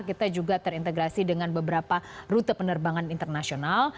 kita juga terintegrasi dengan beberapa rute penerbangan internasional